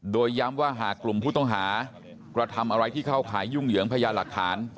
โดยย้ำว่าหากกลุ่มผู้ต้องหากระทำอะไรที่เข้าขายยุ่งเหยิงพญาหลักฐาน